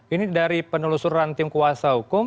ini dari penelusuran tim kuasa hukum